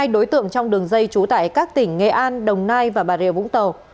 hai mươi hai đối tượng trong đường dây trú tại các tỉnh nghệ an đồng nai và bà rìa vũng tàu